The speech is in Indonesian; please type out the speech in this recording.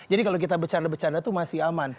jadi kalau kita bercanda bercanda tuh masih aman